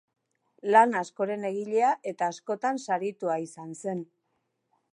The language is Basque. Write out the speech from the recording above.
Lan askoren egilea eta askotan saritua izan zen.